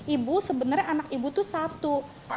ibu sebenarnya anak ibu tuh satu